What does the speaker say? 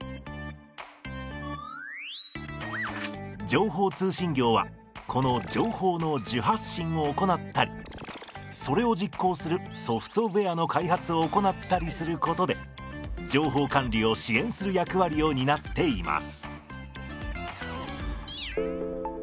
情報通信業はこの情報の受発信を行ったりそれを実行するソフトウエアの開発を行ったりすることで情報管理を支援する役割を担っています。